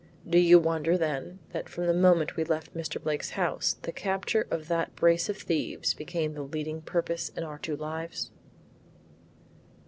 Do you wonder, then, that from the moment we left Mr. Blake's house, the capture of that brace of thieves became the leading purpose of our two lives?